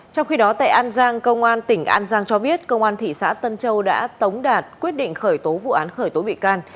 trong khi đó tại an giang cơ quan tỉnh an giang cho biết cơ quan thị xã tân châu đã tống đạt quyết định khởi tố vụ án khởi tố bị can